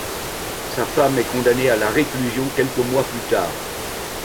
Sa femme est condamnée à la réclusion quelques mois plus tard.